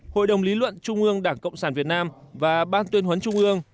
hội đồng lý luận trung ương đảng cộng sản việt nam và ban tuyên huấn trung ương